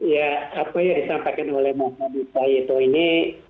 ya apa yang disampaikan oleh bang adi prahitno ini